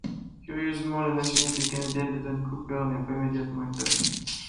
Curieusement, la nationalité canadienne de Dan Cooper n’est pas immédiatement établie.